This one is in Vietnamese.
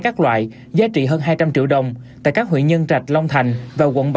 các loại giá trị hơn hai trăm linh triệu đồng tại các huyện nhân trạch long thành và quận ba